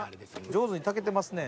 上手に炊けてますね。